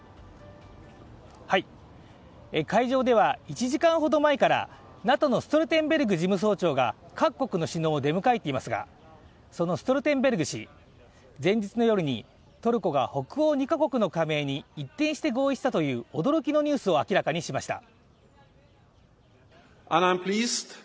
会場では、１時間ほど前からＮＡＴＯのストルテンベルグ事務総長が各国の首脳を出迎えていますがそのストルテンベルグ氏前日の夜に、トルコが北欧２カ国の加盟に一転して合意したという驚きのニュースを明らかにしました。